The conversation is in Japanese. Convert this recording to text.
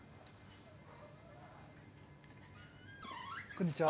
こんにちは。